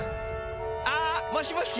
あもしもし？